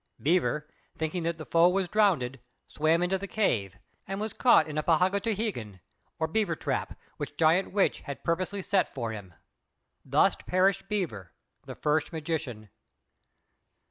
Beaver, thinking that the foe was drowned, swam into the cave, and was caught in a "K'pagūtīhīgan," or beaver trap, which Giant Witch had purposely set for him. Thus perished Beaver, the first magician.